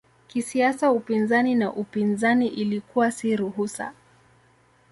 Kisiasa upinzani na upinzani ilikuwa si ruhusa.